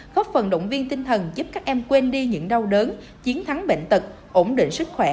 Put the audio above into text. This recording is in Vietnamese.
góp phần động viên tinh thần giúp các em quên đi những đau đớn chiến thắng bệnh tật ổn định sức khỏe